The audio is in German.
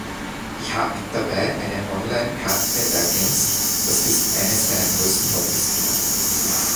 Ich hab dabei eine Online-Karte ergänzt, das ist eines meiner größten Hobbies gerade.